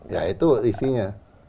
ya itu isinya